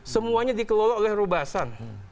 semuanya dikelola oleh rubasan